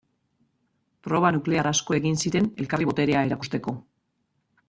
Proba nuklear asko egin ziren elkarri boterea erakusteko.